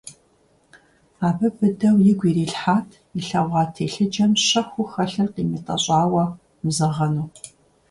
Абы быдэу игу ирилъхьат илъэгъуа телъыджэм щэхуу хэлъыр къимытӀэщӀауэ мызэгъэну.